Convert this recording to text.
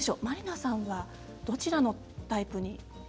満里奈さんはどちらのタイプに？